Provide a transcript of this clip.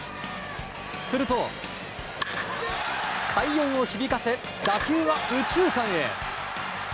すると、快音を響かせ打球は右中間へ！